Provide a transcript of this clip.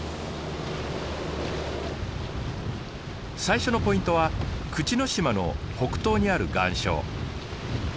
最初のポイントは口之島の北東にある岩礁。